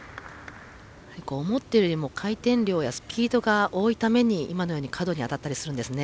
思っているよりも回転量やスピードが多いために、今のように角に当たったりするんですね。